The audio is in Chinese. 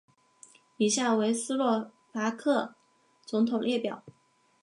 以下为斯洛伐克总统列表。